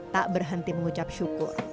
tak berhenti mengucap syukur